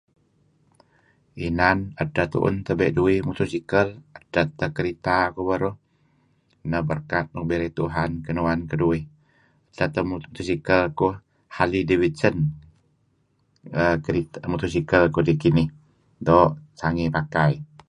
Inan edteh tun tabe' keduih motor sikal edteh teh kereta kuh beruh neh berkat nuk birey Tuhan kinuan keduih. Sah teh mutor sikal ngekuh Harley Davidson. Motor sikal kudi kinih. Doo' sangey pakai.